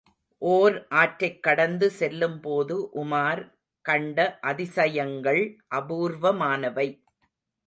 ஓர் ஆற்றைக் கடந்து செல்லும் போது உமார் கண்ட அதிசயங்கள் அபூர்வமானவை.